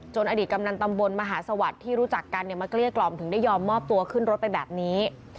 อดีตกำนันตำบลมหาสวัสดิ์ที่รู้จักกันมาเกลี้ยกล่อมถึงได้ยอมมอบตัวขึ้นรถไปแบบนี้